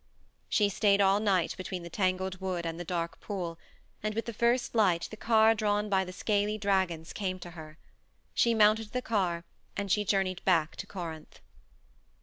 She stayed all night between the tangled wood and the dark pool, and with the first light the car drawn by the scaly dragons came to her. She mounted the car, and she journeyed back to Corinth.